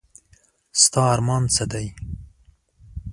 ستا ارمان څه دی ؟